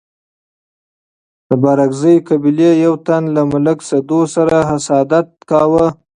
د بارکزيو قبيلي يو تن له ملک سدو سره حسادت کاوه.